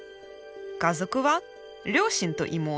家族は両親と妹。